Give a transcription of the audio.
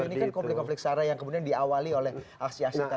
ini kan konflik konflik sarah yang kemudian diawali oleh aksi aksi teror seperti ini